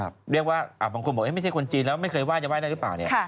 บางคนบอกไม่ใช่คนจีนแล้วไม่เคยไห้จะไห้ได้หรือเปล่าเนี่ย